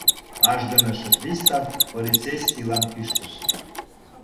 — ажгыныше пристав полицейскийлан кӱштыш.